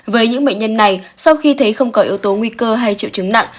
với những bệnh nhân này sau khi thấy không có yếu tố nguy cơ hay triệu chứng nặng